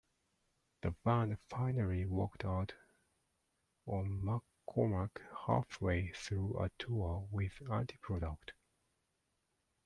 The band finally walked out on McCormack halfway through a tour with AntiProduct.